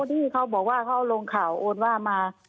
ที่เขาบอกว่าเขาเอาลงข่าวโอนว่ามา